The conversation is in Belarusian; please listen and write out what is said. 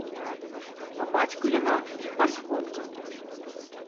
Па бацьку яна басконка.